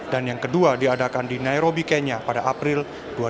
dan yang kedua diadakan di nairobi kenya pada april dua ribu lima belas